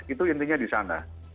itu intinya di sana